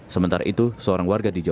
sementara itu seorang warga di jalan